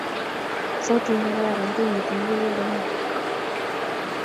sautit nekararan kongeti mukuleldo nyuu